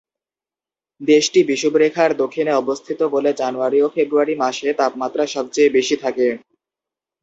দেশটি বিষুবরেখার দক্ষিণে অবস্থিত বলে জানুয়ারি ও ফেব্রুয়ারি মাসে তাপমাত্রা সবচেয়ে বেশি থাকে।